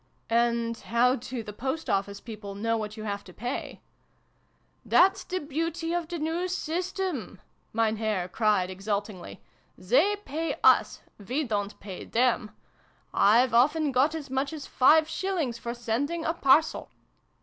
" And how do the Post Office people know what you have to pay ?' "That's the beauty of the new system!" Mein Herr cried exultingly. "They pay us: xi] THE MAN IN THE MOON. 167 we don't pay them ! I've often got as much as five shillings for sending a parcel."